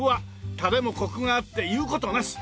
タレもコクがあって言う事なし！